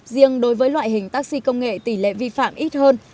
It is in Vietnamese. riêng đối với loại hình taxi công nghệ tỷ lệ vi phạm ít hơn